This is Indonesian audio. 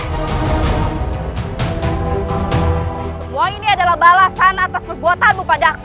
semua ini adalah balasan atas perbuatanmu pada aku